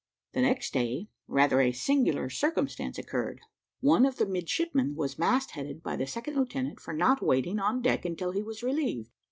The next day, rather a singular circumstance occurred. One of the midshipmen was mast headed by the second lieutenant, for not waiting on deck until he was relieved.